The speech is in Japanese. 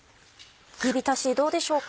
煮びたしどうでしょうか？